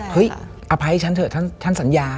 อภัยให้ฉันเถอะฉันสัญญา